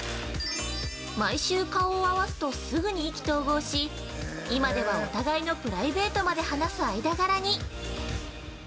毎週、顔を合わすとすぐに意気投合し、今ではお互いのプライベートまで話す間柄に。